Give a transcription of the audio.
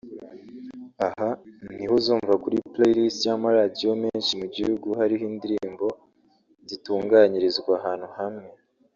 Aha niho uzumva kuri play list y'amaradiyo menshi mu gihugu hariho indirimbo zitunganyirizwa ahantu hamwe